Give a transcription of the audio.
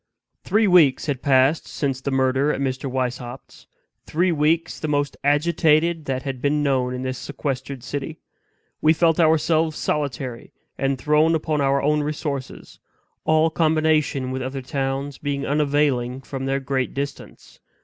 Three weeks had passed since the murder at Mr. Weishaupt's three weeks the most agitated that had been known in this sequestered city. We felt ourselves solitary, and thrown upon our own resources; all combination with other towns being unavailing from their great distance.